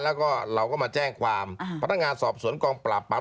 เราก็มาแจ้งความพันธงาสอบสวนกองปราบปาก